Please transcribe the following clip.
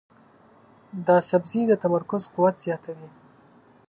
دا سبزی د تمرکز قوت زیاتوي.